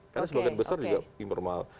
karena sebagian besar juga informal